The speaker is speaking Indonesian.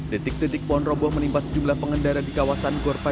detik detik pohon roboh menimpa sejumlah pengendara di kawasan gorpa